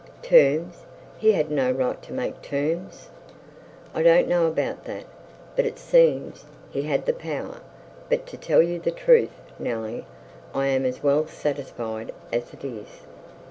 'Terms! He had not right to make terms.' 'I don't know about that; but it seems he had the power. But to tell you the truth, Nelly, I am as well satisfied as it is.